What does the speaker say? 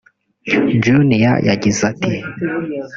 Junior yagize ati